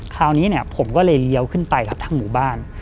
คราวนี้เนี่ยผมก็เลยเลี้ยวขึ้นไปครับทั้งหมู่บ้าน